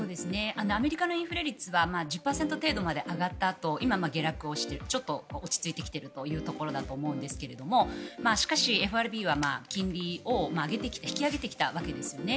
アメリカのインフレ率は１０％程度まで上がったあと今、下落をしてちょっと落ち着いてきているというところだと思いますがしかし、ＦＲＢは金利を上げてきた引き上げてきたわけですよね。